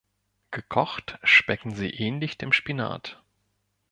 Gekocht schmecken sie ähnlich dem Spinat.